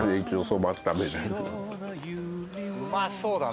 うまそうだな！